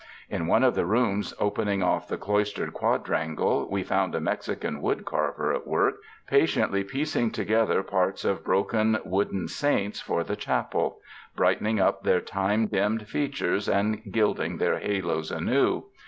In one of the rooms opening off the cloistered quadrangle we found a Mexican wood carver at work, patiently piecing together parts of broken, wooden saints for the chapel ; brightening up their time dimmed fea tures, and gilding their halos anew.